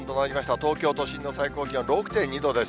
東京都心の最高気温、６．２度です。